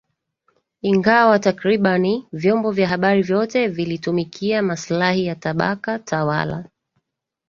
ingawa takribani vyombo vya habari vyote vilitumikia maslahi ya tabaka tawala